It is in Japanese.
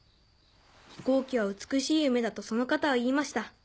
飛行機は美しい夢だとその方は言いました。